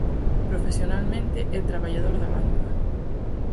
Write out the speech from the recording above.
Profesionalmente é traballador da banca.